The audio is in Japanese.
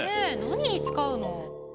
何に使うの？